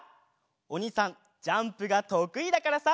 おにいさんジャンプがとくいだからさ。